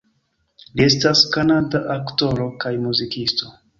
Li estas kanada aktoro kaj muzikisto.